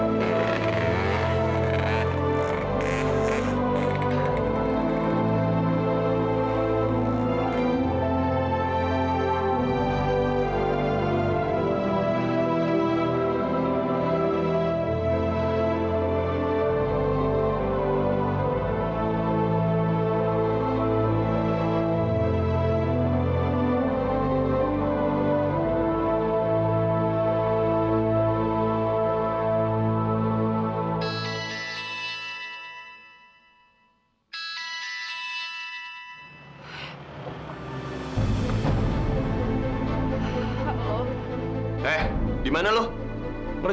nah sekarang gue mandi dulu deh